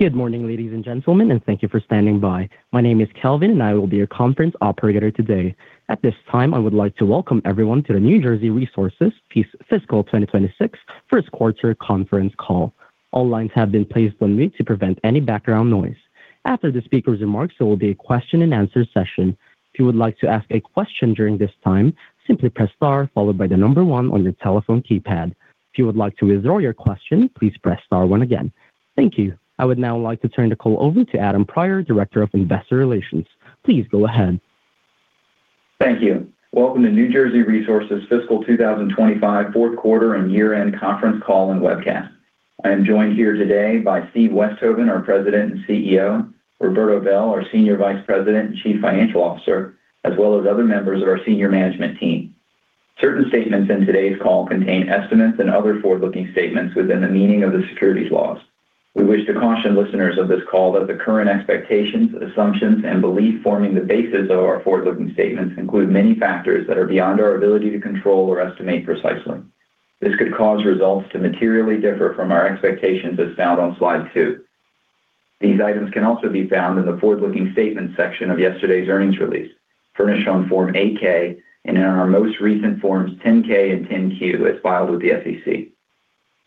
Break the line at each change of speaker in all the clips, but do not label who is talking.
Good morning, ladies and gentlemen, and thank you for standing by. My name is Kelvin, and I will be your conference operator today. At this time, I would like to welcome everyone to the New Jersey Resources Fiscal 2026 First Quarter Conference Call. All lines have been placed on mute to prevent any background noise. After the speaker's remarks, there will be a question-and-answer session. If you would like to ask a question during this time, simply press star followed by the number one on your telephone keypad. If you would like to withdraw your question, please press star one again. Thank you. I would now like to turn the call over to Adam Prior, Director of Investor Relations. Please go ahead.
Thank you. Welcome to New Jersey Resources Fiscal 2025 fourth quarter and year-end conference call and webcast. I am joined here today by Steve Westhoven, our President and CEO, Roberto Bel, our Senior Vice President and Chief Financial Officer, as well as other members of our senior management team. Certain statements in today's call contain estimates and other forward-looking statements within the meaning of the securities laws. We wish to caution listeners of this call that the current expectations, assumptions, and belief forming the basis of our forward-looking statements include many factors that are beyond our ability to control or estimate precisely. This could cause results to materially differ from our expectations as found on slide two. These items can also be found in the forward-looking statements section of yesterday's earnings release, furnished on Form 8-K, and in our most recent Forms 10-K and 10-Q, as filed with the SEC.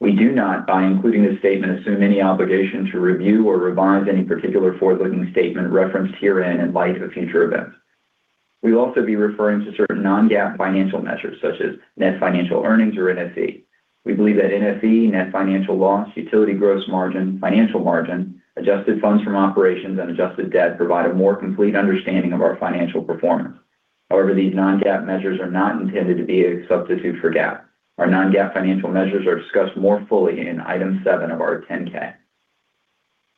We do not, by including this statement, assume any obligation to review or revise any particular forward-looking statement referenced herein in light of future events. We will also be referring to certain non-GAAP financial measures, such as net financial earnings or NFE. We believe that NFE, net financial loss, utility gross margin, financial margin, adjusted funds from operations, and adjusted debt provide a more complete understanding of our financial performance. However, these non-GAAP measures are not intended to be a substitute for GAAP. Our non-GAAP financial measures are discussed more fully in item seven of our 10-K.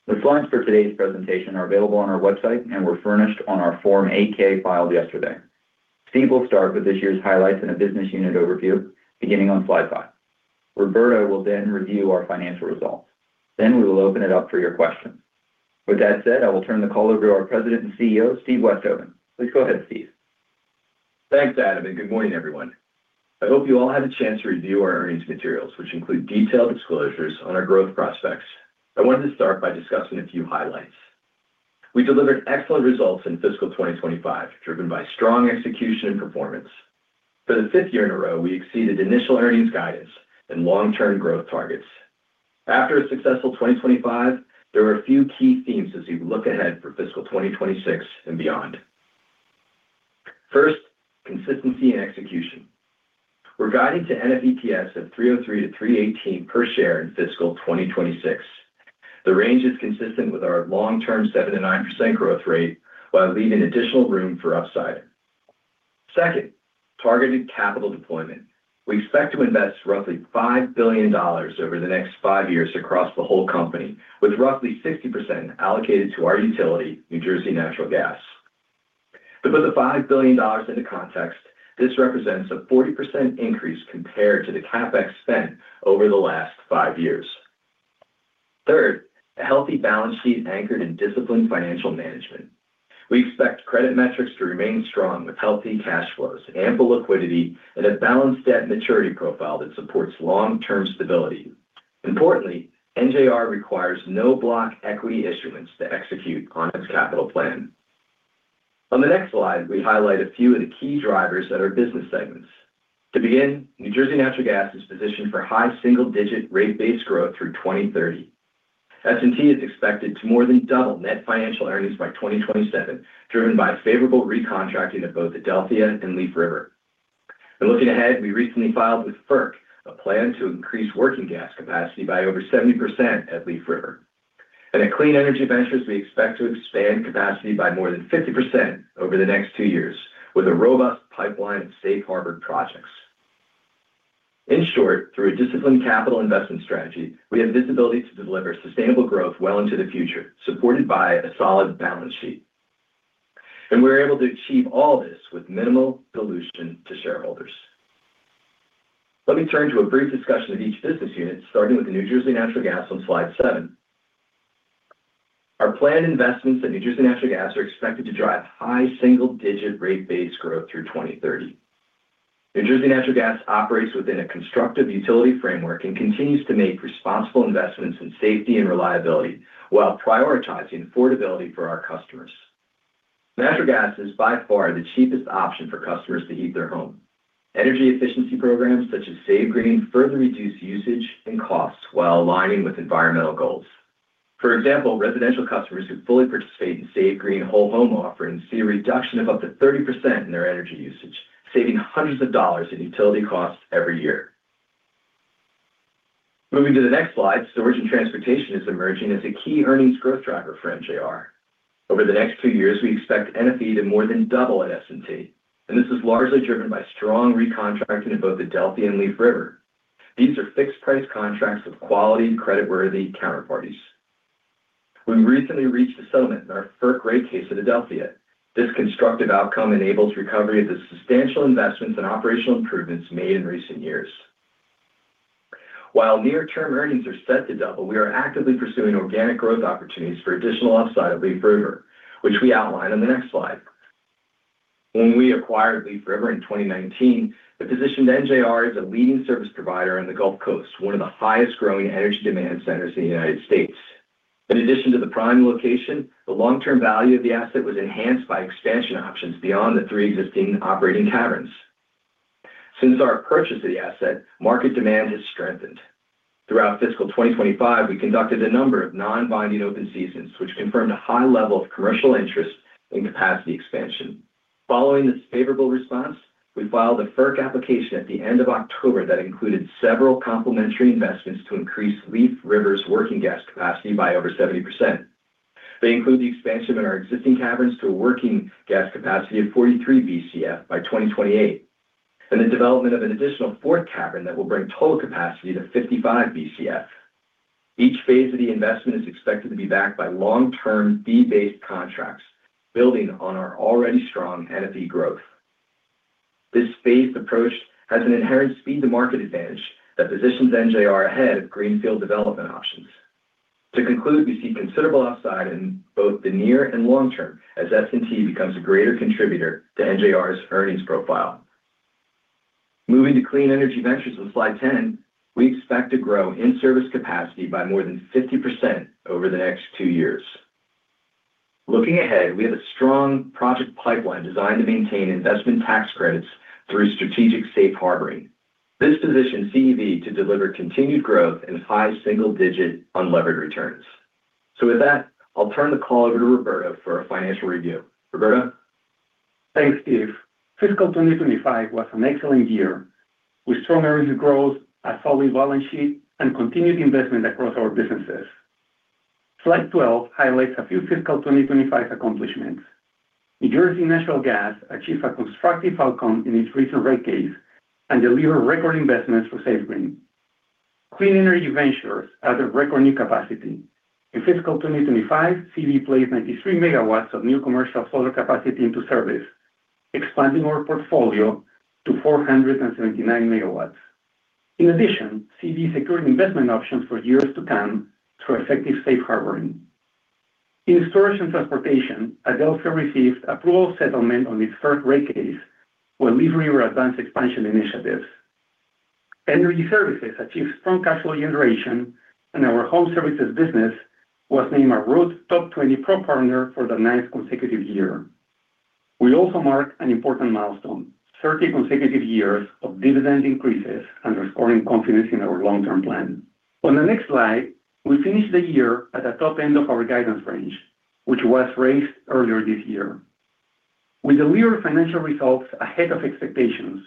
The slides for today's presentation are available on our website and were furnished on our Form 8-K filed yesterday. Steve will start with this year's highlights in a business unit overview, beginning on slide five. Roberto will then review our financial results. Then we will open it up for your questions. With that said, I will turn the call over to our President and CEO, Steve Westhoven. Please go ahead, Steve.
Thanks, Adam, and good morning, everyone. I hope you all had a chance to review our earnings materials, which include detailed disclosures on our growth prospects. I wanted to start by discussing a few highlights. We delivered excellent results in fiscal 2025, driven by strong execution and performance. For the fifth year in a row, we exceeded initial earnings guidance and long-term growth targets. After a successful 2025, there were a few key themes as we look ahead for fiscal 2026 and beyond. First, consistency and execution. We're guiding to NFEPS of 303-318 per share in fiscal 2026. The range is consistent with our long-term 7%-9% growth rate while leaving additional room for upside. Second, targeted capital deployment. We expect to invest roughly $5 billion over the next five years across the whole company, with roughly 60% allocated to our utility, New Jersey Natural Gas. To put the $5 billion into context, this represents a 40% increase compared to the CapEx spent over the last five years. Third, a healthy balance sheet anchored in disciplined financial management. We expect credit metrics to remain strong, with healthy cash flows, ample liquidity, and a balanced debt maturity profile that supports long-term stability. Importantly, NJR requires no block equity issuance to execute on its capital plan. On the next slide, we highlight a few of the key drivers at our business segments. To begin, New Jersey Natural Gas is positioned for high single-digit rate-based growth through 2030. S&T is expected to more than double net financial earnings by 2027, driven by favorable recontracting of both Adelphia and Leaf River. And looking ahead, we recently filed with FERC a plan to increase working gas capacity by over 70% at Leaf River. At Clean Energy Ventures, we expect to expand capacity by more than 50% over the next two years, with a robust pipeline of safe-harbored projects. In short, through a disciplined capital investment strategy, we have visibility to deliver sustainable growth well into the future, supported by a solid balance sheet. And we're able to achieve all this with minimal pollution to shareholders. Let me turn to a brief discussion of each business unit, starting with New Jersey Natural Gas on slide seven. Our planned investments at New Jersey Natural Gas are expected to drive high single-digit rate-based growth through 2030. New Jersey Natural Gas operates within a constructive utility framework and continues to make responsible investments in safety and reliability while prioritizing affordability for our customers. Natural Gas is by far the cheapest option for customers to heat their home. Energy efficiency programs such as Save Green further reduce usage and costs while aligning with environmental goals. For example, residential customers who fully participate in Save Green Whole Home offerings see a reduction of up to 30% in their energy usage, saving hundreds of dollars in utility costs every year. Moving to the next slide, storage and transportation is emerging as a key earnings growth driver for NJR. Over the next two years, we expect NFE to more than double at S&T, and this is largely driven by strong recontracting of both Adelphia and Leaf River. These are fixed-price contracts with quality, credit-worthy counterparties. We recently reached a settlement in our FERC rate case at Adelphia. This constructive outcome enables recovery of the substantial investments and operational improvements made in recent years. While near-term earnings are set to double, we are actively pursuing organic growth opportunities for additional upside at Leaf River, which we outline on the next slide. When we acquired Leaf River in 2019, it positioned NJR as a leading service provider on the Gulf Coast, one of the highest-growing energy demand centers in the United States. In addition to the prime location, the long-term value of the asset was enhanced by expansion options beyond the three existing operating caverns. Since our purchase of the asset, market demand has strengthened. Throughout fiscal 2025, we conducted a number of non-binding open seasons, which confirmed a high level of commercial interest in capacity expansion. Following this favorable response, we filed a FERC application at the end of October that included several complementary investments to increase Leaf River's working gas capacity by over 70%. They include the expansion of our existing caverns to a working gas capacity of 43 BCF by 2028 and the development of an additional fourth cavern that will bring total capacity to 55 BCF. Each phase of the investment is expected to be backed by long-term fee-based contracts, building on our already strong NFE growth. This phased approach has an inherent speed-to-market advantage that positions NJR ahead of greenfield development options. To conclude, we see considerable upside in both the near and long-term as S&T becomes a greater contributor to NJR's earnings profile. Moving to Clean Energy Ventures on slide 10, we expect to grow in-service capacity by more than 50% over the next two years. Looking ahead, we have a strong project pipeline designed to maintain Investment Tax Credits through strategic safe-harboring. This positions CEV to deliver continued growth and high single-digit unlevered returns. So with that, I'll turn the call over to Roberto for a financial review. Roberto?
Thanks, Steve. Fiscal 2025 was an excellent year, with strong earnings growth, a solid balance sheet, and continued investment across our businesses. Slide 12 highlights a few fiscal 2025 accomplishments. New Jersey Natural Gas achieved a constructive outcome in its recent rate case and delivered record investments for Save Green. Clean Energy Ventures added record new capacity. In fiscal 2025, CEV placed 93 megawatts of new commercial solar capacity into service, expanding our portfolio to 479 megawatts. In addition, CEV secured investment options for years to come through effective safe-harboring. In Storage and Transportation, Adelphia received approval settlement on its first rate case while Leaf River advanced expansion initiatives. Energy Services achieved strong cash flow generation, and our Home Services business was named a Rheem Top 20 Pro Partner for the ninth consecutive year. We also mark an important milestone: 30 consecutive years of dividend increases underscoring confidence in our long-term plan. On the next slide, we finish the year at the top end of our guidance range, which was raised earlier this year. We delivered financial results ahead of expectations.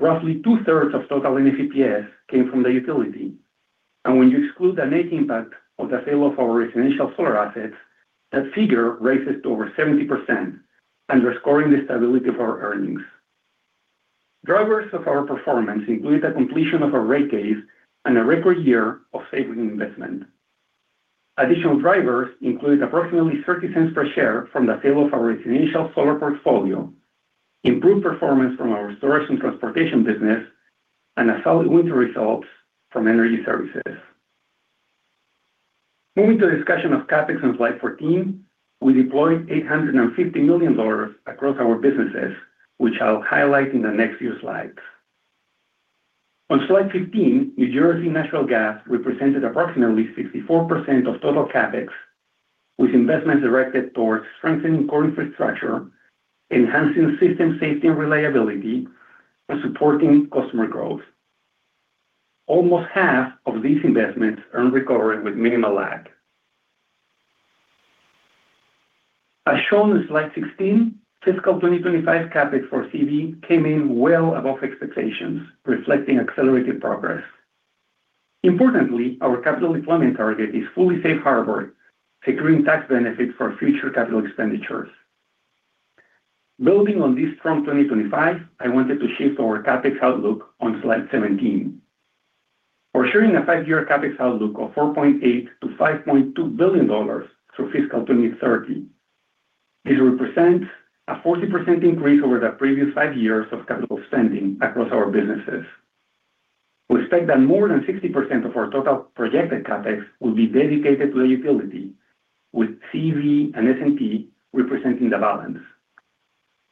Roughly two-thirds of total NFEPS came from the utility. And when you exclude the net impact of the sale of our residential solar assets, that figure raises to over 70%, underscoring the stability of our earnings. Drivers of our performance included the completion of our rate case and a record year of saving investment. Additional drivers included approximately $0.30 per share from the sale of our residential solar portfolio, improved performance from our storage and transportation business, and a solid winter results from Energy Services. Moving to the discussion of CapEx on slide 14, we deployed $850 million across our businesses, which I'll highlight in the next few slides. On slide 15, New Jersey Natural Gas represented approximately 64% of total CapEx, with investments directed towards strengthening core infrastructure, enhancing system safety and reliability, and supporting customer growth. Almost half of these investments earned recovery with minimal lag. As shown in slide 16, fiscal 2025 CapEx for CEV came in well above expectations, reflecting accelerated progress. Importantly, our capital deployment target is fully safe-harbored, securing tax benefits for future capital expenditures. Building on this strong 2025, I wanted to shift our CapEx outlook on slide 17. We're sharing a five-year CapEx outlook of $4.8-$5.2 billion through fiscal 2030. This represents a 40% increase over the previous five years of capital spending across our businesses. We expect that more than 60% of our total projected CapEx will be dedicated to the utility, with CEV and S&T representing the balance.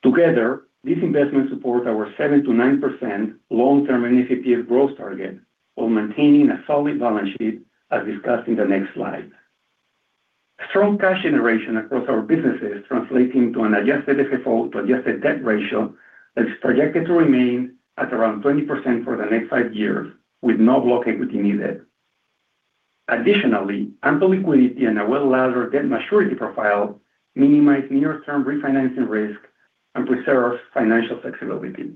Together, these investments support our 7%-9% long-term NFEPS growth target while maintaining a solid balance sheet, as discussed in the next slide. Strong cash generation across our businesses translates into an adjusted FFO to adjusted debt ratio that is projected to remain at around 20% for the next 5 years, with no block equity needed. Additionally, ample liquidity and a well-laddered debt maturity profile minimize near-term refinancing risk and preserve financial flexibility.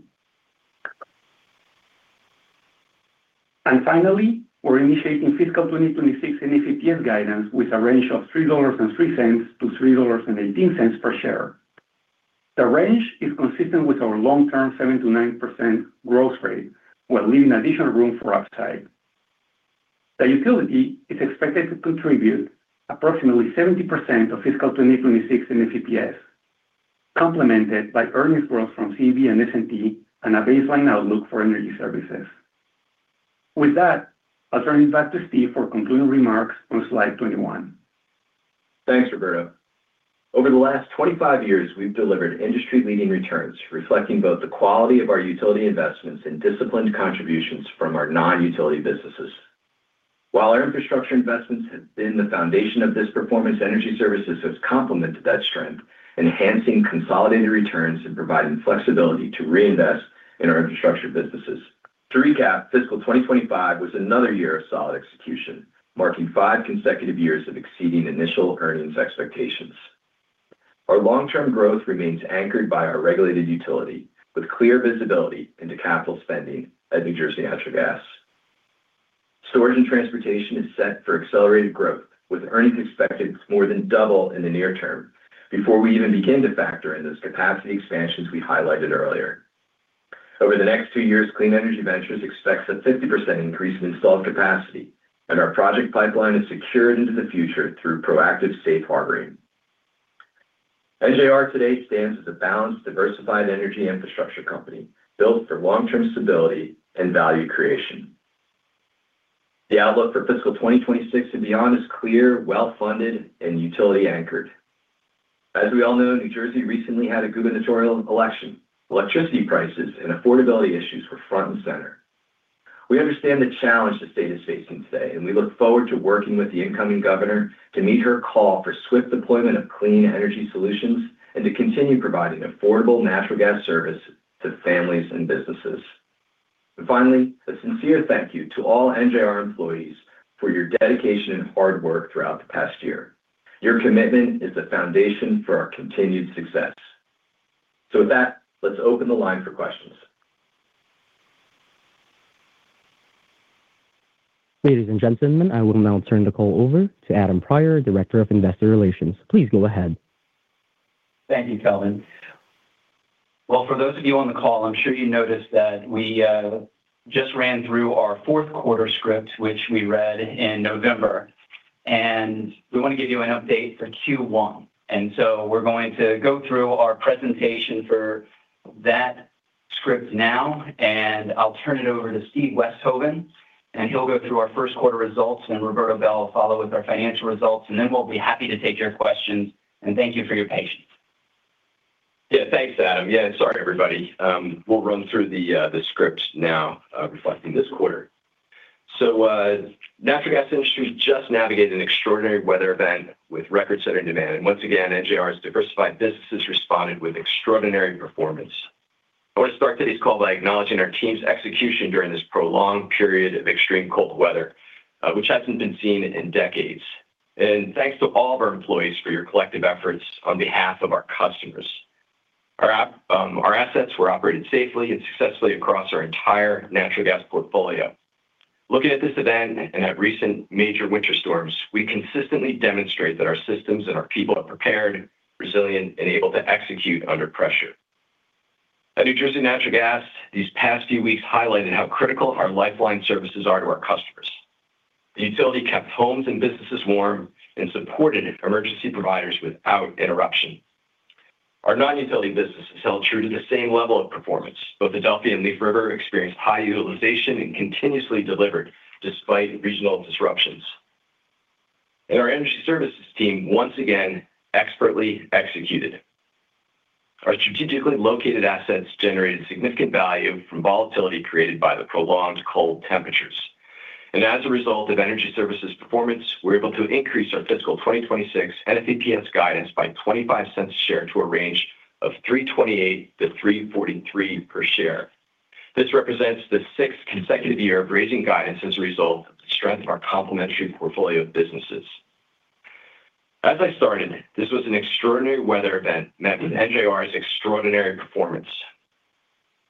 Finally, we're initiating fiscal 2026 NFEPS guidance with a range of $3.03-$3.18 per share. The range is consistent with our long-term 7%-9% growth rate, while leaving additional room for upside. The utility is expected to contribute approximately 70% of fiscal 2026 NFEPS, complemented by earnings growth from CEV and S&T and a baseline outlook for Energy Services. With that, I'll turn it back to Steve for concluding remarks on slide 21.
Thanks, Roberto. Over the last 25 years, we've delivered industry-leading returns, reflecting both the quality of our utility investments and disciplined contributions from our non-utility businesses. While our infrastructure investments have been the foundation of this performance, Energy Services have complemented that strength, enhancing consolidated returns and providing flexibility to reinvest in our infrastructure businesses. To recap, fiscal 2025 was another year of solid execution, marking five consecutive years of exceeding initial earnings expectations. Our long-term growth remains anchored by our regulated utility, with clear visibility into capital spending at New Jersey Natural Gas. Storage and Transportation is set for accelerated growth, with earnings expected to more than double in the near term before we even begin to factor in those capacity expansions we highlighted earlier. Over the next two years, Clean Energy Ventures expects a 50% increase in installed capacity, and our project pipeline is secured into the future through proactive safe-harboring. NJR today stands as a balanced, diversified energy infrastructure company built for long-term stability and value creation. The outlook for fiscal 2026 and beyond is clear, well-funded, and utility-anchored. As we all know, New Jersey recently had a gubernatorial election. Electricity prices and affordability issues were front and center. We understand the challenge the state is facing today, and we look forward to working with the incoming governor to meet her call for swift deployment of clean energy solutions and to continue providing affordable natural gas service to families and businesses. Finally, a sincere thank you to all NJR employees for your dedication and hard work throughout the past year. Your commitment is the foundation for our continued success. With that, let's open the line for questions.
Ladies and gentlemen, I will now turn the call over to Adam Prior, Director of Investor Relations. Please go ahead.
Thank you, Kelvin. Well, for those of you on the call, I'm sure you noticed that we just ran through our fourth quarter script, which we read in November. We want to give you an update for Q1. So we're going to go through our presentation for that script now, and I'll turn it over to Steve Westhoven, and he'll go through our first quarter results, and Roberto Bel will follow with our financial results, and then we'll be happy to take your questions. Thank you for your patience.
Yeah, thanks, Adam. Yeah, sorry, everybody. We'll run through the script now, reflecting this quarter. So natural gas industry just navigated an extraordinary weather event with record-setting demand. And once again, NJR's diversified businesses responded with extraordinary performance. I want to start today's call by acknowledging our team's execution during this prolonged period of extreme cold weather, which hasn't been seen in decades. And thanks to all of our employees for your collective efforts on behalf of our customers. Our assets were operated safely and successfully across our entire natural gas portfolio. Looking at this event and at recent major winter storms, we consistently demonstrate that our systems and our people are prepared, resilient, and able to execute under pressure. At New Jersey Natural Gas, these past few weeks highlighted how critical our lifeline services are to our customers. The utility kept homes and businesses warm and supported emergency providers without interruption. Our non-utility businesses held true to the same level of performance. Both Adelphia and Leaf River experienced high utilization and continuously delivered despite regional disruptions. Our Energy Services team, once again, expertly executed. Our strategically located assets generated significant value from volatility created by the prolonged cold temperatures. As a result of Energy Services performance, we're able to increase our fiscal 2026 NFEPS guidance by $0.25 per share to a range of $3.28-$3.43 per share. This represents the sixth consecutive year of raising guidance as a result of the strength of our complementary portfolio of businesses. As I started, this was an extraordinary weather event met with NJR's extraordinary performance.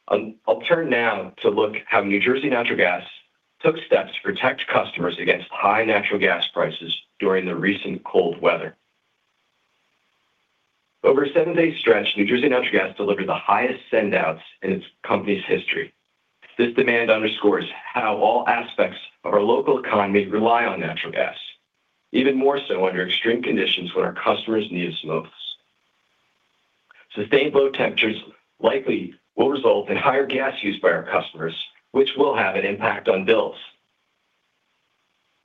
I'll turn now to look at how New Jersey Natural Gas took steps to protect customers against high natural gas prices during the recent cold weather. Over a seven-day stretch, New Jersey Natural Gas delivered the highest send-outs in its company's history. This demand underscores how all aspects of our local economy rely on natural gas, even more so under extreme conditions when our customers need it most. Sustained low temperatures likely will result in higher gas use by our customers, which will have an impact on bills.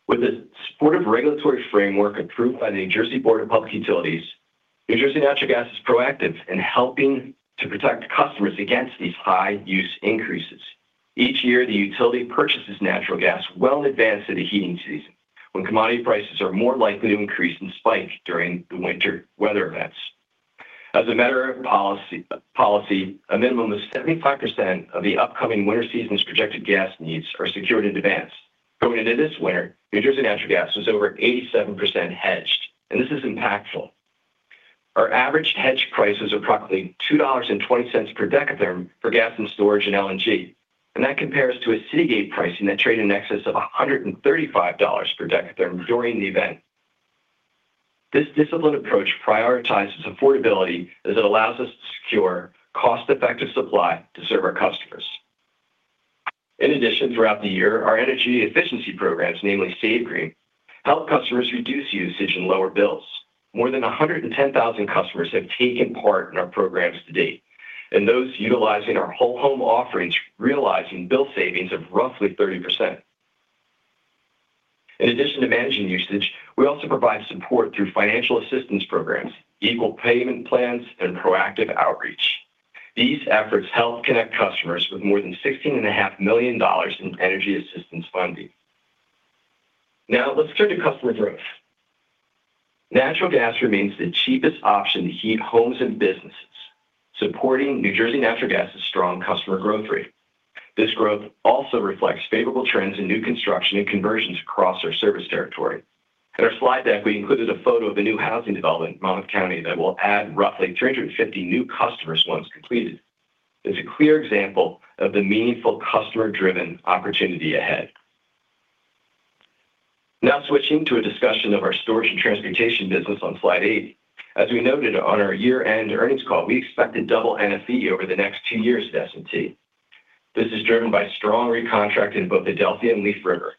With a supportive regulatory framework approved by the New Jersey Board of Public Utilities, New Jersey Natural Gas is proactive in helping to protect customers against these high-use increases. Each year, the utility purchases natural gas well in advance of the heating season, when commodity prices are more likely to increase and spike during the winter weather events. As a matter of policy, a minimum of 75% of the upcoming winter season's projected gas needs are secured in advance. Going into this winter, New Jersey Natural Gas was over 87% hedged, and this is impactful. Our average hedged price was approximately $2.20 per dekatherm for gas and storage and LNG, and that compares to a Citygate pricing that traded in excess of $135 per dekatherm during the event. This disciplined approach prioritizes affordability as it allows us to secure cost-effective supply to serve our customers. In addition, throughout the year, our energy efficiency programs, namely Save Green, help customers reduce usage and lower bills. More than 110,000 customers have taken part in our programs to date, and those utilizing our whole-home offerings realize bill savings of roughly 30%. In addition to managing usage, we also provide support through financial assistance programs, equal payment plans, and proactive outreach. These efforts help connect customers with more than $16.5 million in energy assistance funding. Now, let's turn to customer growth. Natural gas remains the cheapest option to heat homes and businesses, supporting New Jersey Natural Gas's strong customer growth rate. This growth also reflects favorable trends in new construction and conversions across our service territory. At our slide deck, we included a photo of a new housing development in Monmouth County that will add roughly 350 new customers once completed. It's a clear example of the meaningful customer-driven opportunity ahead. Now, switching to a discussion of our storage and transportation business on slide 8. As we noted on our year-end earnings call, we expected double NFE over the next two years at S&T. This is driven by strong recontracts in both Adelphia and Leaf River.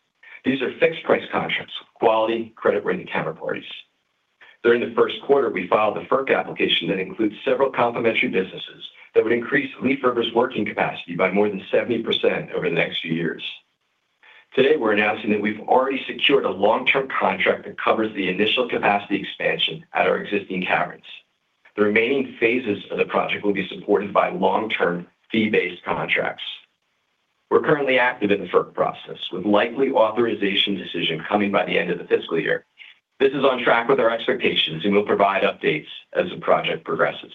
These are fixed-price contracts with quality, credit-worthy counterparties. During the first quarter, we filed the FERC application that includes several complementary businesses that would increase Leaf River's working capacity by more than 70% over the next few years. Today, we're announcing that we've already secured a long-term contract that covers the initial capacity expansion at our existing caverns. The remaining phases of the project will be supported by long-term fee-based contracts. We're currently active in the FERC process, with likely authorization decision coming by the end of the fiscal year. This is on track with our expectations, and we'll provide updates as the project progresses.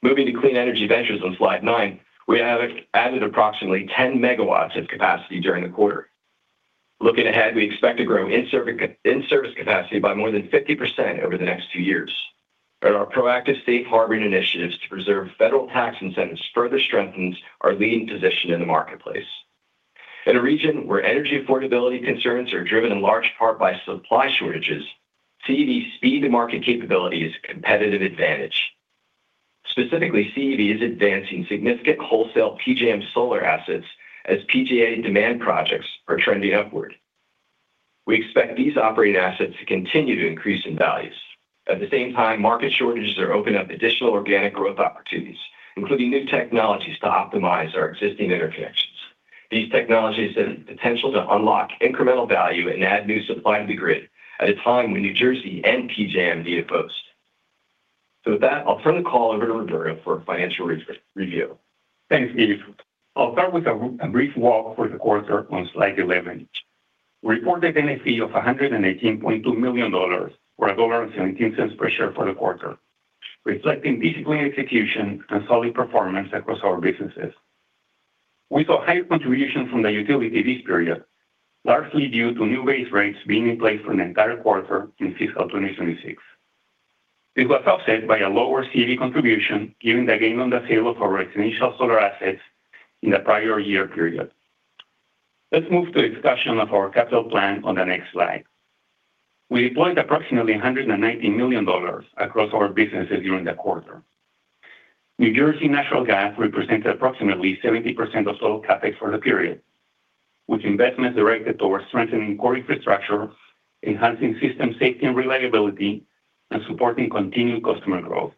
Moving to Clean Energy Ventures on slide 9, we have added approximately 10 MW of capacity during the quarter. Looking ahead, we expect to grow in-service capacity by more than 50% over the next two years. Our proactive safe-harboring initiatives to preserve federal tax incentives further strengthen our leading position in the marketplace. In a region where energy affordability concerns are driven in large part by supply shortages, CEV's speed-to-market capability is a competitive advantage. Specifically, CEV is advancing significant wholesale PJM solar assets as PJM demand projects are trending upward. We expect these operating assets to continue to increase in value. At the same time, market shortages are opening up additional organic growth opportunities, including new technologies to optimize our existing interconnections. These technologies have the potential to unlock incremental value and add new supply to the grid at a time when New Jersey and PJM need a boost. So with that, I'll turn the call over to Roberto for a financial review.
Thanks, Eve. I'll start with a brief walk through the quarter on slide 11. We reported NFE of $118.2 million or $1.17 per share for the quarter, reflecting disciplined execution and solid performance across our businesses. We saw higher contributions from the utility this period, largely due to new base rates being in place for an entire quarter in fiscal 2026. This was offset by a lower CEV contribution, giving the gain on the sale of our existing solar assets in the prior year period. Let's move to a discussion of our capital plan on the next slide. We deployed approximately $119 million across our businesses during the quarter. New Jersey Natural Gas represented approximately 70% of total CapEx for the period, with investments directed toward strengthening core infrastructure, enhancing system safety and reliability, and supporting continued customer growth.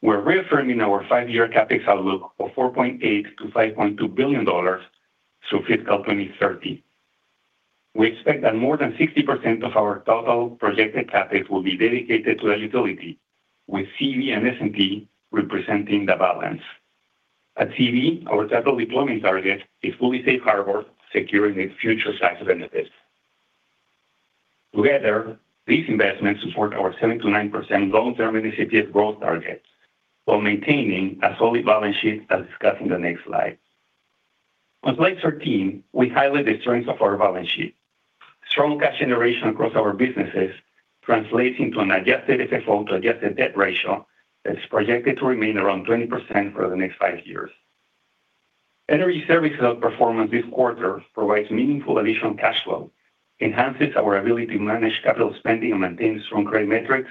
We're reaffirming our 5-year CapEx outlook of $4.8-$5.2 billion through fiscal 2030. We expect that more than 60% of our total projected CapEx will be dedicated to the utility, with CEV and S&T representing the balance. At CEV, our total deployment target is fully safe-harbored, securing its future tax benefits. Together, these investments support our 7%-9% long-term NFE growth target while maintaining a solid balance sheet, as discussed in the next slide. On slide 13, we highlight the strengths of our balance sheet. Strong cash generation across our businesses translates into an adjusted FFO to adjusted debt ratio that's projected to remain around 20% for the next five years. Energy Services outperformance this quarter provides meaningful additional cash flow, enhances our ability to manage capital spending and maintains strong credit metrics,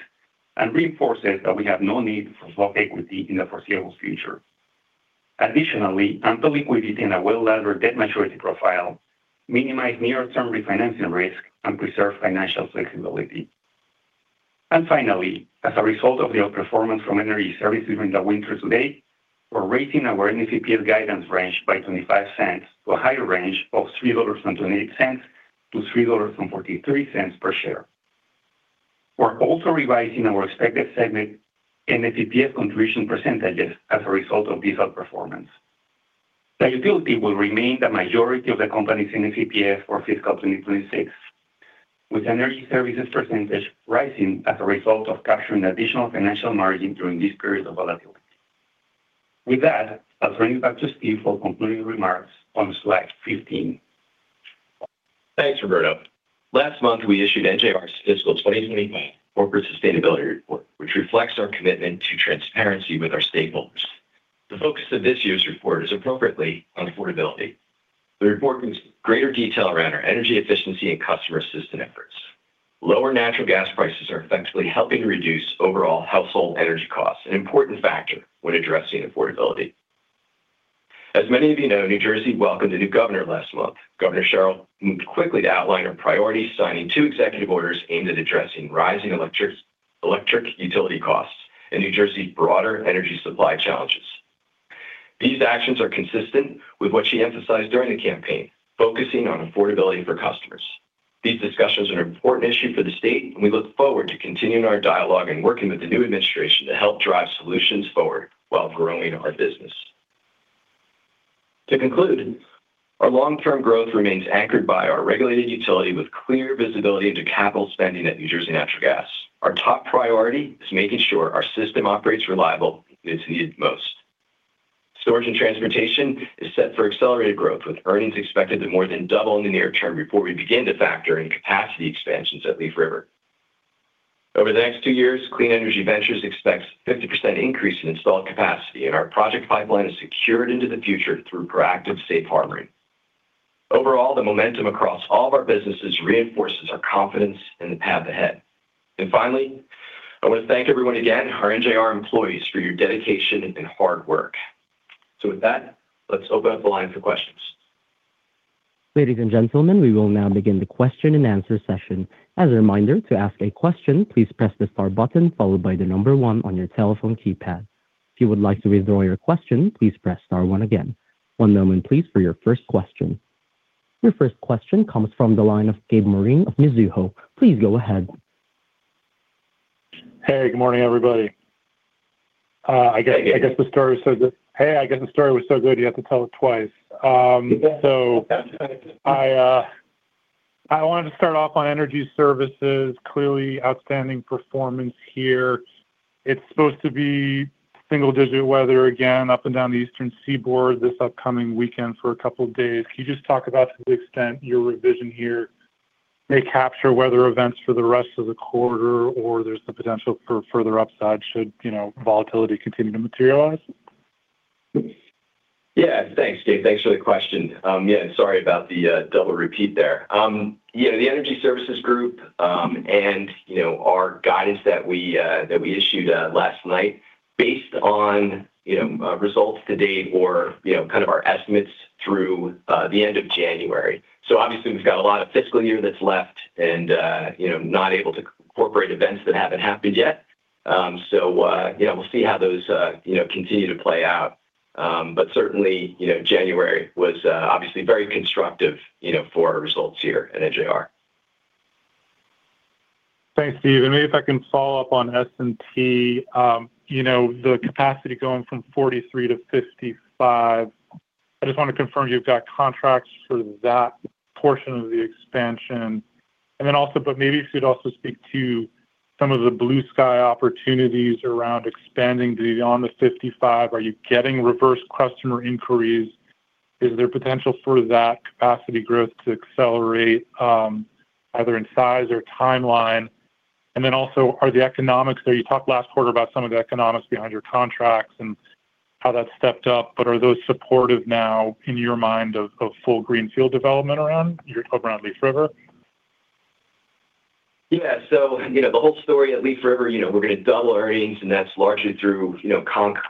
and reinforces that we have no need for block equity in the foreseeable future. Additionally, ample liquidity and a well-laddered debt maturity profile minimize near-term refinancing risk and preserve financial flexibility. And finally, as a result of the outperformance from Energy Services during the winter to date, we're raising our NFE guidance range by $0.25 to a higher range of $3.28-$3.43 per share. We're also revising our expected segment NFE contribution percentages as a result of this outperformance. The utility will remain the majority of the company's NFE for fiscal 2026, with Energy Services percentage rising as a result of capturing additional financial margin during this period of volatility. With that, I'll turn it back to Steve for concluding remarks on slide 15.
Thanks, Roberto. Last month, we issued NJR's fiscal 2025 corporate sustainability report, which reflects our commitment to transparency with our stakeholders. The focus of this year's report is appropriately on affordability. The report gives greater detail around our energy efficiency and customer assistance efforts. Lower natural gas prices are effectively helping to reduce overall household energy costs, an important factor when addressing affordability. As many of you know, New Jersey welcomed a new governor last month. Governor Sherrill moved quickly to outline her priorities, signing two executive orders aimed at addressing rising electric utility costs and New Jersey's broader energy supply challenges. These actions are consistent with what she emphasized during the campaign, focusing on affordability for customers. These discussions are an important issue for the state, and we look forward to continuing our dialogue and working with the new administration to help drive solutions forward while growing our business. To conclude, our long-term growth remains anchored by our regulated utility with clear visibility into capital spending at New Jersey Natural Gas. Our top priority is making sure our system operates reliably when it's needed most. Storage and Transportation is set for accelerated growth, with earnings expected to more than double in the near term before we begin to factor in capacity expansions at Leaf River. Over the next two years, Clean Energy Ventures expects a 50% increase in installed capacity, and our project pipeline is secured into the future through proactive Safe-harboring. Overall, the momentum across all of our businesses reinforces our confidence in the path ahead. And finally, I want to thank everyone again, our NJR employees, for your dedication and hard work. So with that, let's open up the line for questions.
Ladies and gentlemen, we will now begin the question-and-answer session. As a reminder, to ask a question, please press the star button followed by the number one on your telephone keypad. If you would like to withdraw your question, please press star one again. One moment, please, for your first question. Your first question comes from the line of Gabe Moreen of Mizuho. Please go ahead.
Hey, good morning, everybody. I guess the story was so good. Hey, I guess the story was so good you have to tell it twice. So I wanted to start off on Energy Services, clearly outstanding performance here. It's supposed to be single-digit weather again, up and down the eastern seaboard this upcoming weekend for a couple of days. Can you just talk about to the extent your revision here may capture weather events for the rest of the quarter, or there's the potential for further upside should volatility continue to materialize?
Yeah, thanks, Gabe. Thanks for the question. Yeah, and sorry about the double repeat there. The Energy Services Group and our guidance that we issued last night based on results to date or kind of our estimates through the end of January. So obviously, we've got a lot of fiscal year that's left and not able to incorporate events that haven't happened yet. So we'll see how those continue to play out. But certainly, January was obviously very constructive for our results here at NJR.
Thanks, Steve. And maybe if I can follow up on S&T, the capacity going from 43-55, I just want to confirm you've got contracts for that portion of the expansion. But maybe if you'd also speak to some of the blue sky opportunities around expanding beyond the 55, are you getting reverse customer inquiries? Is there potential for that capacity growth to accelerate either in size or timeline? And then also, are the economics there? You talked last quarter about some of the economics behind your contracts and how that stepped up, but are those supportive now in your mind of full greenfield development around Leaf River?
Yeah. So the whole story at Leaf River, we're going to double earnings, and that's largely through contract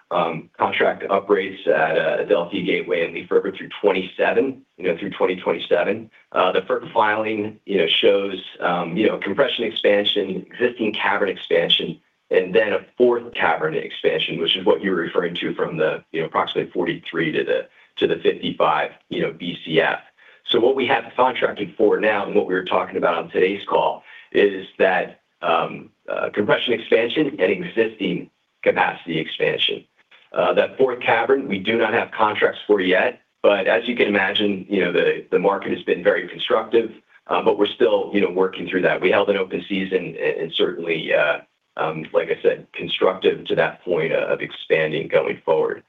upgrades at Adelphia Gateway and Leaf River through 2027. The FERC filing shows compression expansion, existing cavern expansion, and then a fourth cavern expansion, which is what you were referring to from approximately 43 to 55 BCF. So what we have contracted for now and what we were talking about on today's call is that compression expansion and existing capacity expansion. That fourth cavern, we do not have contracts for yet. But as you can imagine, the market has been very constructive, but we're still working through that. We held an open season and certainly, like I said, constructive to that point of expanding going forward.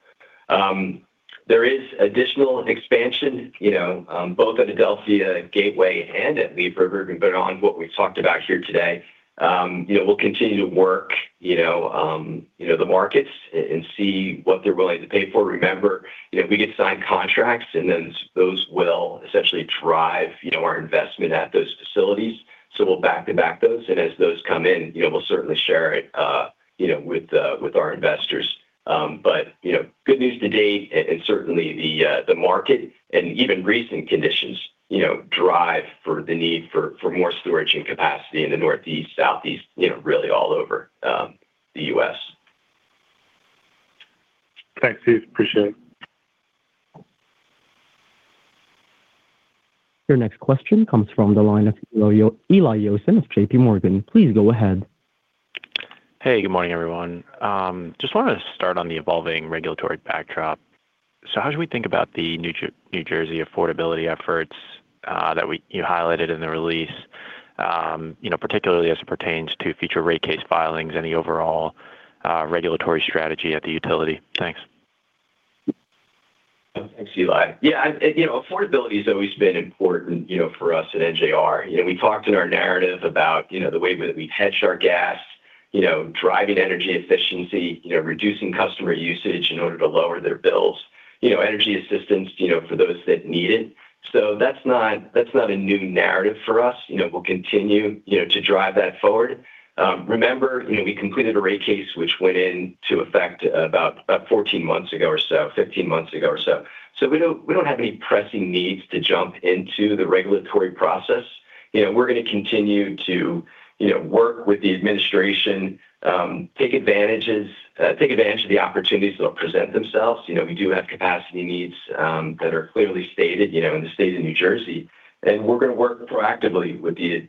There is additional expansion both at Adelphia Gateway and at Leaf River, but beyond what we've talked about here today, we'll continue to work the markets and see what they're willing to pay for. Remember, we get signed contracts, and then those will essentially drive our investment at those facilities. So we'll back-to-back those. And as those come in, we'll certainly share it with our investors. But good news to date, and certainly the market and even recent conditions drive for the need for more storage and capacity in the northeast, southeast, really all over the U.S.
Thanks, Steve. Appreciate it.
Your next question comes from the line of Eli Jossen of J.P. Morgan. Please go ahead.
Hey, good morning, everyone. Just wanted to start on the evolving regulatory backdrop. So how should we think about the New Jersey affordability efforts that you highlighted in the release, particularly as it pertains to future rate case filings and the overall regulatory strategy at the utility? Thanks.
Thanks, Eli. Yeah, affordability has always been important for us at NJR. We talked in our narrative about the way that we've hedged our gas, driving energy efficiency, reducing customer usage in order to lower their bills, energy assistance for those that need it. So that's not a new narrative for us. We'll continue to drive that forward. Remember, we completed a rate case which went into effect about 14 months ago or so, 15 months ago or so. So we don't have any pressing needs to jump into the regulatory process. We're going to continue to work with the administration, take advantage of the opportunities that'll present themselves. We do have capacity needs that are clearly stated in the state of New Jersey. And we're going to work proactively with the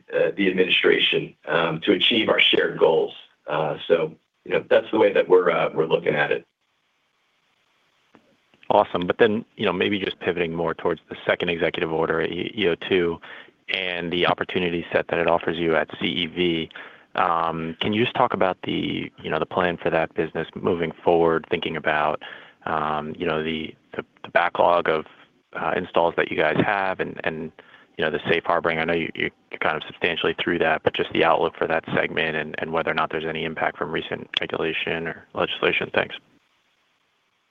administration to achieve our shared goals. So that's the way that we're looking at it.
Awesome. But then maybe just pivoting more towards the second executive order, EO2, and the opportunity set that it offers you at CEV, can you just talk about the plan for that business moving forward, thinking about the backlog of installs that you guys have and the safe-harboring? I know you're kind of substantially through that, but just the outlook for that segment and whether or not there's any impact from recent regulation or legislation. Thanks.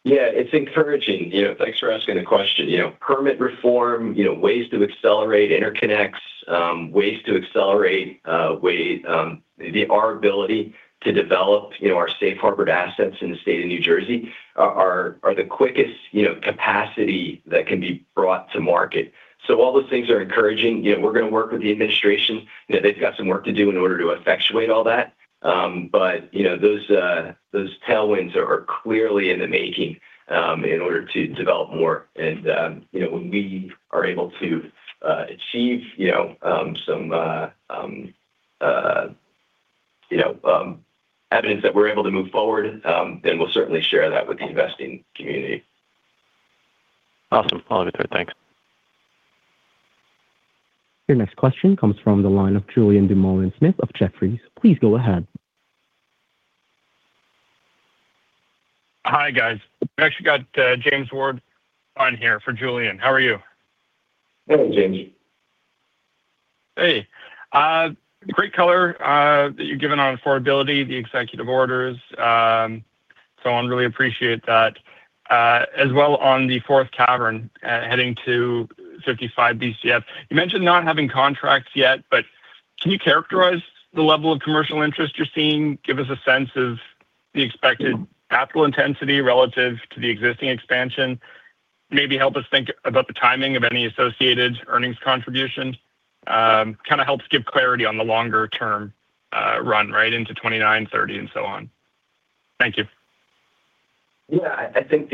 Yeah, it's encouraging. Thanks for asking the question. Permit reform, ways to accelerate interconnects, ways to accelerate our ability to develop our safe-harbored assets in the state of New Jersey are the quickest capacity that can be brought to market. So all those things are encouraging. We're going to work with the administration. They've got some work to do in order to effectuate all that. But those tailwinds are clearly in the making in order to develop more. And when we are able to achieve some evidence that we're able to move forward, then we'll certainly share that with the investing community.
Awesome. I'll follow you through. Thanks.
Your next question comes from the line of Julian Dumoulin-Smith of Jefferies. Please go ahead.
Hi, guys. We actually got James Ward on here for Julian. How are you?
Hey, James.
Hey. Great color that you're giving on affordability, the executive orders. So I really appreciate that. As well on the fourth cavern heading to 55 BCF, you mentioned not having contracts yet, but can you characterize the level of commercial interest you're seeing? Give us a sense of the expected capital intensity relative to the existing expansion. Maybe help us think about the timing of any associated earnings contribution. Kind of helps give clarity on the longer-term run, right, into 2029, 2030, and so on. Thank you.
Yeah, I think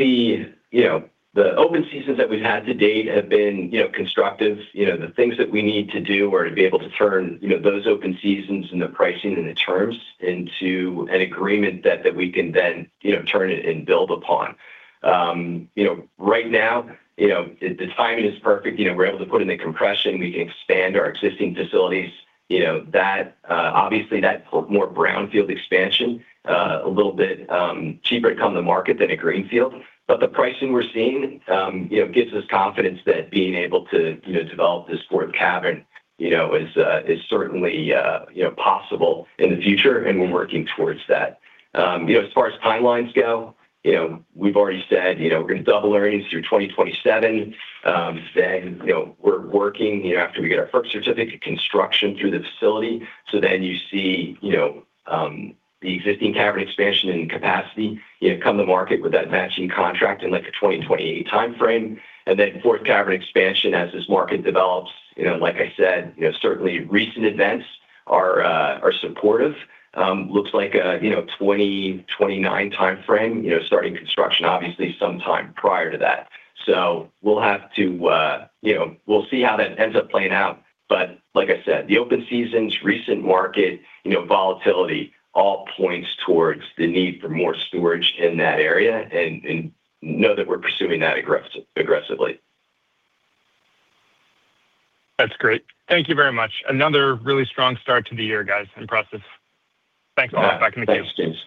the open seasons that we've had to date have been constructive. The things that we need to do are to be able to turn those open seasons and the pricing and the terms into an agreement that we can then turn it and build upon. Right now, the timing is perfect. We're able to put in the compression. We can expand our existing facilities. Obviously, that more brownfield expansion, a little bit cheaper to come to market than a greenfield. But the pricing we're seeing gives us confidence that being able to develop this fourth cavern is certainly possible in the future, and we're working towards that. As far as timelines go, we've already said we're going to double earnings through 2027. Then we're working, after we get our FERC certificate, construction through the facility. So then you see the existing cavern expansion and capacity come to market with that matching contract in a 2028 timeframe. And then fourth cavern expansion, as this market develops, like I said, certainly recent events are supportive. Looks like a 2029 timeframe, starting construction, obviously, sometime prior to that. So we'll have to see how that ends up playing out. But like I said, the open seasons, recent market, volatility, all points towards the need for more storage in that area and know that we're pursuing that aggressively.
That's great. Thank you very much. Another really strong start to the year, guys, in process. Thanks. I'll have it back in the case.
All right. Thanks, James.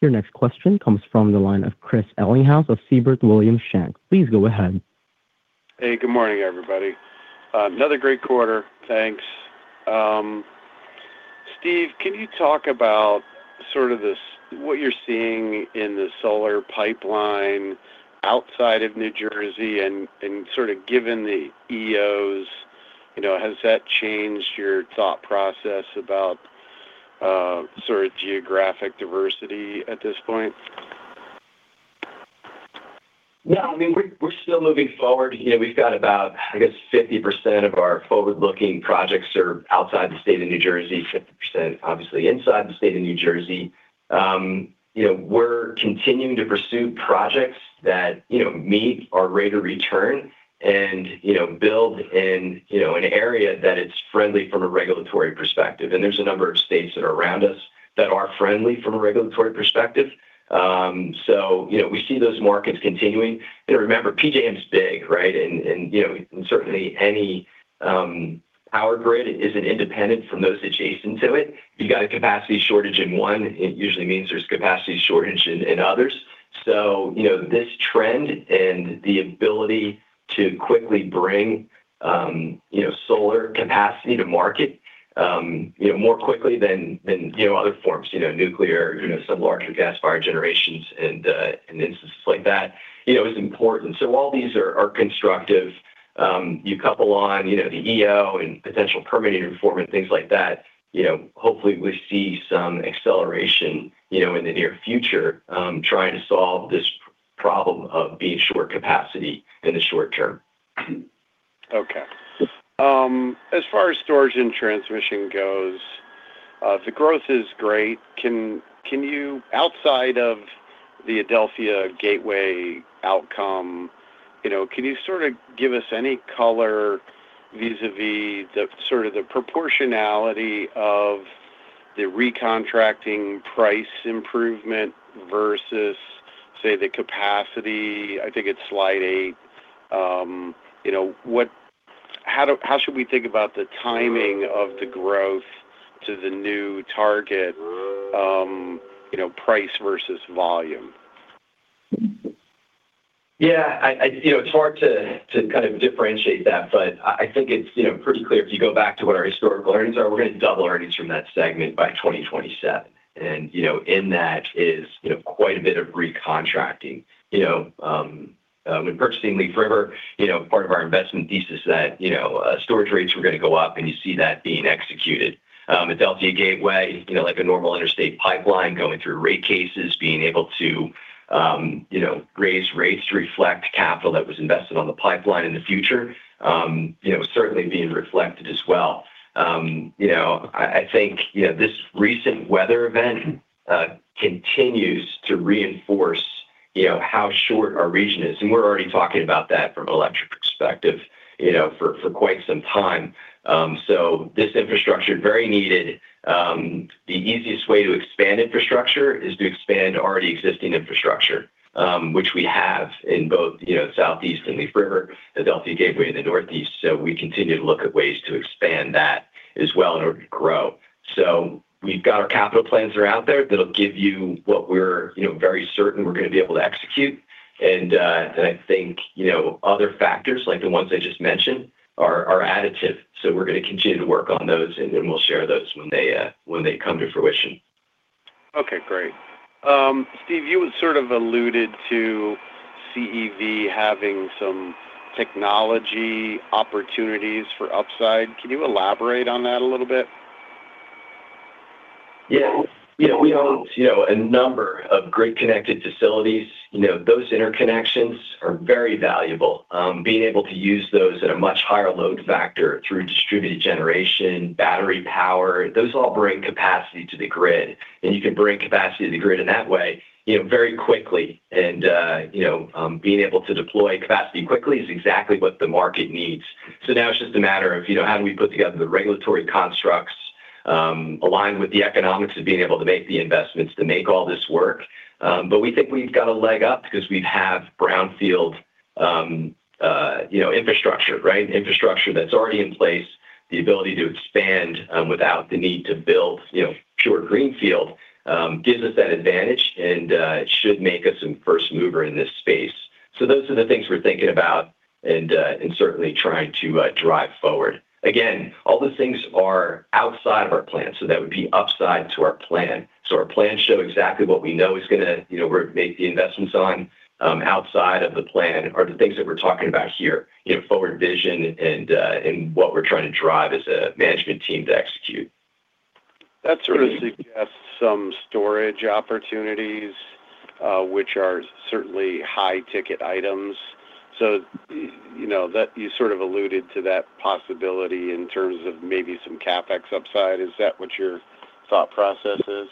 Your next question comes from the line of Chris Ellinghaus of Siebert Williams Shank. Please go ahead.
Hey, good morning, everybody. Another great quarter. Thanks. Steve, can you talk about sort of what you're seeing in the solar pipeline outside of New Jersey? And sort of given the EOs, has that changed your thought process about sort of geographic diversity at this point?
Yeah. I mean, we're still moving forward. We've got about, I guess, 50% of our forward-looking projects are outside the state of New Jersey, 50%, obviously, inside the state of New Jersey. We're continuing to pursue projects that meet our rate of return and build in an area that it's friendly from a regulatory perspective. And there's a number of states that are around us that are friendly from a regulatory perspective. So we see those markets continuing. Remember, PJM's big, right? And certainly, any power grid isn't independent from those adjacent to it. If you've got a capacity shortage in one, it usually means there's capacity shortage in others. So this trend and the ability to quickly bring solar capacity to market more quickly than other forms, nuclear, some larger gas-fired generations, and instances like that is important. So while these are constructive, you couple on the EO and potential permitting reform and things like that, hopefully, we see some acceleration in the near future trying to solve this problem of being short capacity in the short term.
Okay. As far as storage and transmission goes, the growth is great. Outside of the Adelphia Gateway outcome, can you sort of give us any color vis-à-vis sort of the proportionality of the recontracting price improvement versus, say, the capacity? I think it's slide 8. How should we think about the timing of the growth to the new target price versus volume?
Yeah, it's hard to kind of differentiate that, but I think it's pretty clear. If you go back to what our historical earnings are, we're going to double earnings from that segment by 2027. And in that is quite a bit of recontracting. When purchasing Leaf River, part of our investment thesis is that storage rates were going to go up, and you see that being executed. Adelphia Gateway, like a normal interstate pipeline going through rate cases, being able to raise rates to reflect capital that was invested on the pipeline in the future, certainly being reflected as well. I think this recent weather event continues to reinforce how short our region is. And we're already talking about that from an electric perspective for quite some time. So this infrastructure, very needed. The easiest way to expand infrastructure is to expand already existing infrastructure, which we have in both the southeast and Leaf River, Adelphia Gateway, and the northeast. So we continue to look at ways to expand that as well in order to grow. So we've got our capital plans that are out there that'll give you what we're very certain we're going to be able to execute. And I think other factors, like the ones I just mentioned, are additive. So we're going to continue to work on those, and then we'll share those when they come to fruition.
Okay, great. Steve, you had sort of alluded to CEV having some technology opportunities for upside. Can you elaborate on that a little bit?
Yeah. We own a number of grid-connected facilities. Those interconnections are very valuable. Being able to use those at a much higher load factor through distributed generation, battery power, those all bring capacity to the grid. And you can bring capacity to the grid in that way very quickly. And being able to deploy capacity quickly is exactly what the market needs. So now it's just a matter of how do we put together the regulatory constructs aligned with the economics of being able to make the investments to make all this work. But we think we've got a leg up because we have brownfield infrastructure, right? Infrastructure that's already in place, the ability to expand without the need to build pure greenfield gives us that advantage, and it should make us some first mover in this space. So those are the things we're thinking about and certainly trying to drive forward. Again, all those things are outside of our plan, so that would be upside to our plan. So our plan shows exactly what we know is going to where we make the investments on outside of the plan are the things that we're talking about here, forward vision and what we're trying to drive as a management team to execute.
That sort of suggests some storage opportunities, which are certainly high-ticket items. So you sort of alluded to that possibility in terms of maybe some CapEx upside. Is that what your thought process is?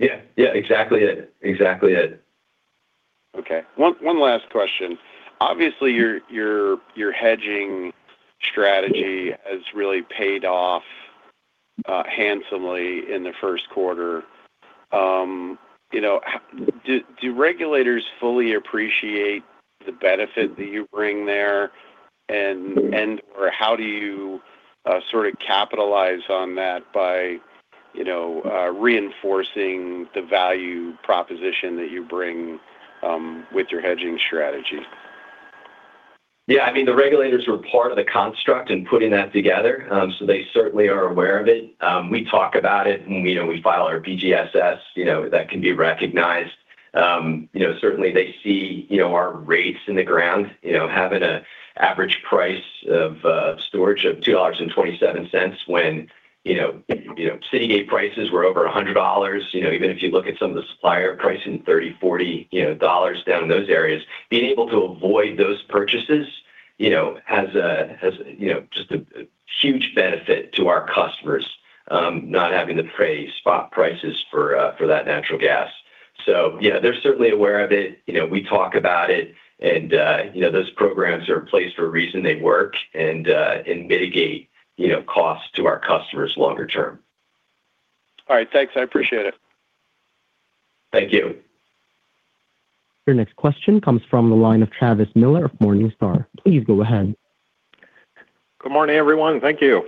Yeah. Yeah, exactly it. Exactly it.
Okay. One last question. Obviously, your hedging strategy has really paid off handsomely in the first quarter. Do regulators fully appreciate the benefit that you bring there? And/or how do you sort of capitalize on that by reinforcing the value proposition that you bring with your hedging strategy?
Yeah. I mean, the regulators are part of the construct in putting that together, so they certainly are aware of it. We talk about it when we file our BGSS. That can be recognized. Certainly, they see our rates in the ground, having an average price of storage of $2.27 when Citygate prices were over $100. Even if you look at some of the supplier pricing $30-$40 down in those areas, being able to avoid those purchases has just a huge benefit to our customers, not having to pay spot prices for that natural gas. So they're certainly aware of it. We talk about it, and those programs are in place for a reason. They work and mitigate costs to our customers longer term.
All right. Thanks. I appreciate it.
Thank you.
Your next question comes from the line of Travis Miller of Morningstar. Please go ahead.
Good morning, everyone. Thank you.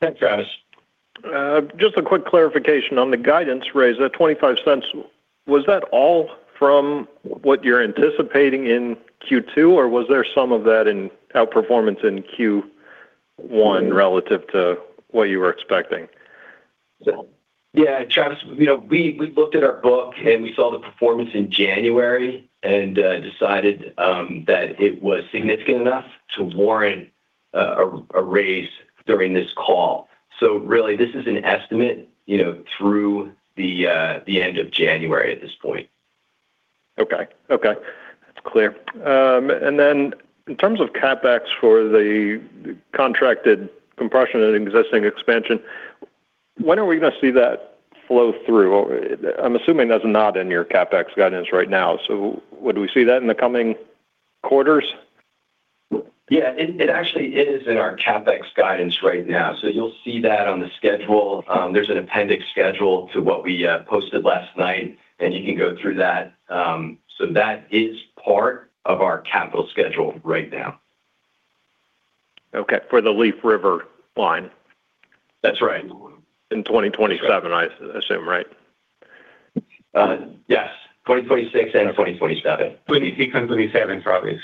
Thanks, Travis.
Just a quick clarification on the guidance raise, that $0.25, was that all from what you're anticipating in Q2, or was there some of that outperformance in Q1 relative to what you were expecting?
Yeah, Travis. We looked at our book, and we saw the performance in January and decided that it was significant enough to warrant a raise during this call. So really, this is an estimate through the end of January at this point.
Okay. Okay. That's clear. And then in terms of CapEx for the contracted compression and existing expansion, when are we going to see that flow through? I'm assuming that's not in your CapEx guidance right now. So would we see that in the coming quarters?
Yeah, it actually is in our CapEx guidance right now. So you'll see that on the schedule. There's an appendix schedule to what we posted last night, and you can go through that. So that is part of our capital schedule right now.
Okay. For the Leaf River line?
That's right.
In 2027, I assume, right?
Yes. 2026 and 2027. 2026 and 2027, Travis.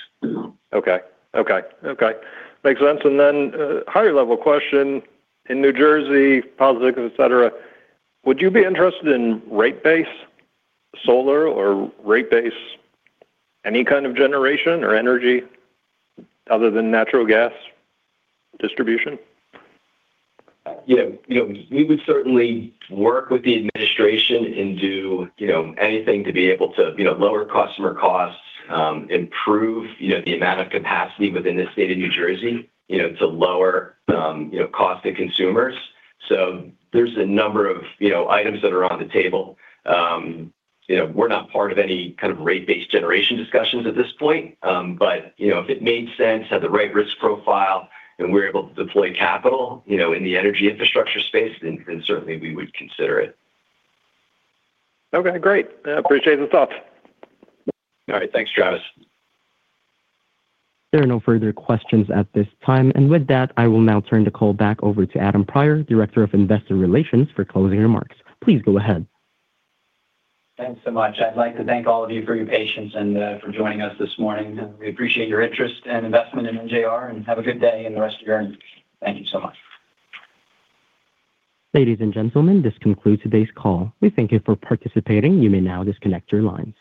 Okay. Okay. Okay. Makes sense. And then higher-level question. In New Jersey, positives, etc., would you be interested in rate-based solar or rate-based any kind of generation or energy other than natural gas distribution?
Yeah. We would certainly work with the administration and do anything to be able to lower customer costs, improve the amount of capacity within the state of New Jersey to lower cost to consumers. So there's a number of items that are on the table. We're not part of any kind of rate-based generation discussions at this point. But if it made sense, had the right risk profile, and we were able to deploy capital in the energy infrastructure space, then certainly, we would consider it.
Okay. Great. I appreciate the thoughts.
All right. Thanks, Travis.
There are no further questions at this time. With that, I will now turn the call back over to Adam Prior, Director of Investor Relations, for closing remarks. Please go ahead.
Thanks so much. I'd like to thank all of you for your patience and for joining us this morning. We appreciate your interest and investment in NJR, and have a good day in the rest of your earnings. Thank you so much.
Ladies and gentlemen, this concludes today's call. We thank you for participating. You may now disconnect your lines.